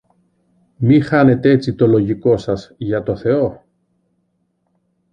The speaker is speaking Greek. μη χάνετε έτσι το λογικό σας, για το Θεό!